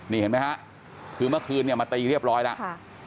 นี่เห็นไหมฮะคือเมื่อคืนเนี่ยมาตีเรียบร้อยแล้ว